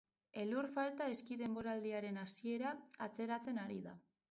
Elur falta eski denboraldiaren hasiera atzeratzen ari da.